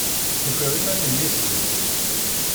Tufiḍ iman-im yid-sen?